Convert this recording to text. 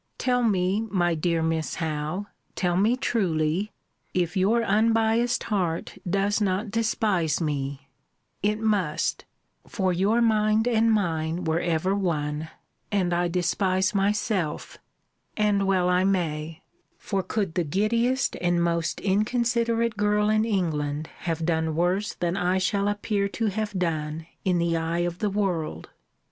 Tell me, my dear Miss Howe, tell me truly, if your unbiassed heart does not despise me? It must! for your mind and mine were ever one; and I despise myself! And well I may: For could the giddiest and most inconsiderate girl in England have done worse than I shall appear to have done in the eye of the world?